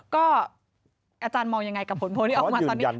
ก็อาจารย์มองยังไงกับผลโพลที่ออกมาตอนนี้